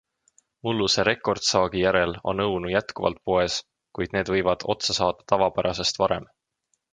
Mulluse rekordsaagi järel on õunu jätkuvalt poes, kuid need võivad otsa saada tavapärasest varem.